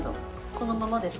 このままですか？